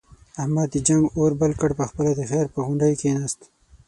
احمد د جنگ اور بل کړ، په خپله د خیر په غونډۍ کېناست.